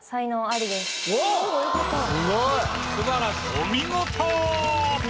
お見事！